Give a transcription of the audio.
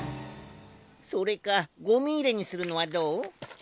それかゴミ入れにするのはどう？